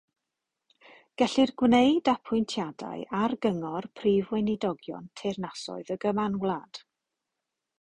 Gellir gwneud apwyntiadau ar gyngor prif weinidogion teyrnasoedd y Gymanwlad.